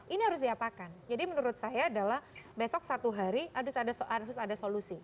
ini harus diapakan jadi menurut saya adalah besok satu hari harus ada solusi